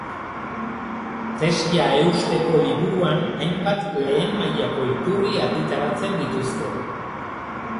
Tesia eusteko liburuan hainbat lehen mailako iturri argitaratzen dituzte.